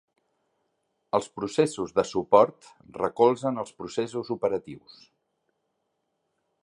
Els processos de suport recolzen als processos operatius.